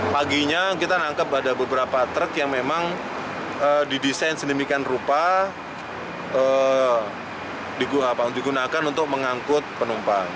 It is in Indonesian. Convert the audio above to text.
paginya kita nangkep ada beberapa truk yang memang didesain sedemikian rupa digunakan untuk mengangkut penumpang